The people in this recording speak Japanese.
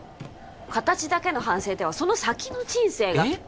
形だけの反省ではその先の人生がえっ